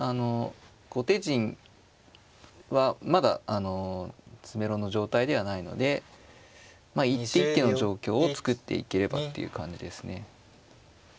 後手陣はまだあの詰めろの状態ではないので一手一手の状況を作っていければっていう感じですね。